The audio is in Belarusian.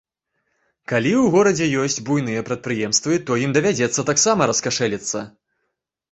Калі ў горадзе ёсць буйныя прадпрыемствы, то ім давядзецца таксама раскашэліцца.